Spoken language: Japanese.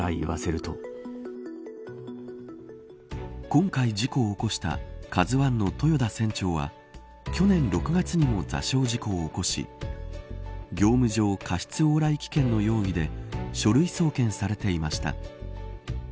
今回事故を起こしたＫＡＺＵ１の豊田船長は去年６月にも座礁事故を起こし業務上過失往来危険の容疑で書類送検されていました。